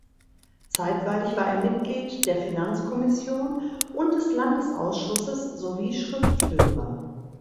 Zeitweilig war er Mitglied der Finanzkommission und des Landesausschusses sowie Schriftführer.